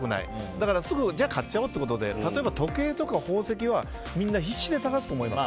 だからすぐじゃあ買っちゃおうということで例えば、時計とか宝石はみんな必死で探すと思います。